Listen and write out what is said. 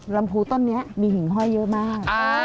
ลำพูต้นนี้มีหิ่งห้อยเยอะมาก